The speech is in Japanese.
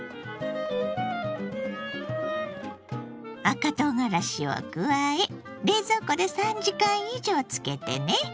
赤とうがらしを加え冷蔵庫で３時間以上漬けてね。